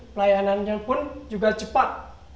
pelayanannya pun juga cepat